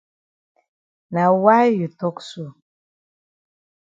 Na why you tok so?